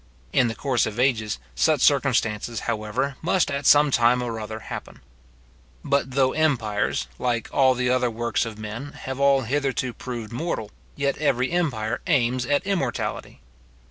In the course of ages, such circumstances, however, must at some time or other happen. But though empires, like all the other works of men, have all hitherto proved mortal, yet every empire aims at immortality.